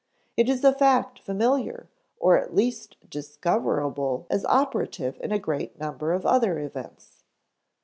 It is a fact familiar or at least discoverable as operative in a great number of other events.